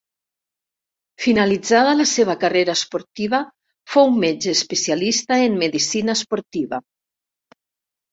Finalitzada la seva carrera esportiva fou metge especialista en medicina esportiva.